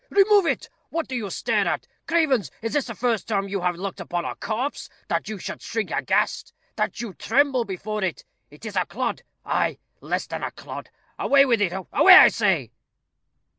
remove it. What do you stare at? Cravens! is this the first time you have looked upon a corpse, that you should shrink aghast that you tremble before it? It is a clod ay, less than a clod. Away with it! away, I say."